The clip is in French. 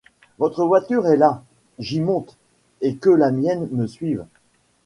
Votre voiture est là, j'y monte, et que la mienne me suive.